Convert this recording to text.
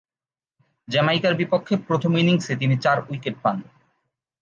জ্যামাইকার বিপক্ষে প্রথম ইনিংসে তিনি চার উইকেট পান।